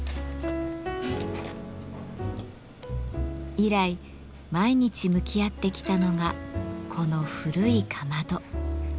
以来毎日向き合ってきたのがこの古いかまど。